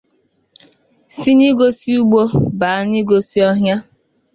si n'igosi ugbõ bàá n'igosi ọhịa